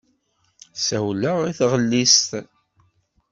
Ssawleɣ i tɣellist.